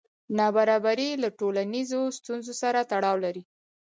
نابرابري له ټولنیزو ستونزو سره تړاو لري.